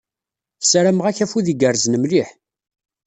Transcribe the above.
Ssarameɣ-ak afud igerrzen mliḥ.